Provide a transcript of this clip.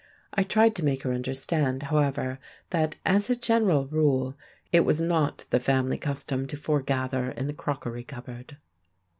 I tried to make her understand, however, that, as a general rule, it was not the family custom to foregather in the crockery cupboard!